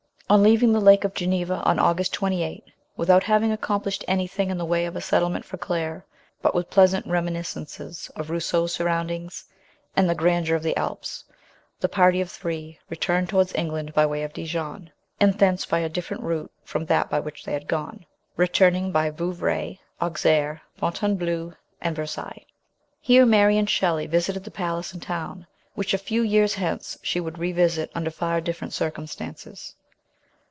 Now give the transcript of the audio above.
ON leaving the Lake of Geneva on August 28, without having accomplished anything in the way of a settlement for Claire, but with pleasant reminiscences of Rousseau's surroundings, and the grandeur of the Alps, the party of three returned towards England by way of Dijon, and thence by a different route from that by which they had gone, returning by Rouvray, Auxerre, Fontainebleau, and Versailles. Here Mary and Shelley visited the palace and town, which a few years hence she would revisit under far different circumstances.